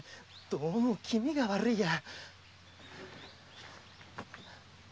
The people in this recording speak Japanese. どうも気味が悪いや。